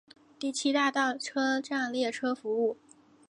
第七大道车站列车服务。